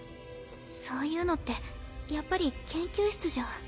そういうのってやっぱり研究室じゃ。